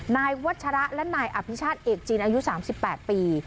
นายวัชระและนายอภิชาติเอกจีนอายุ๓๘ปี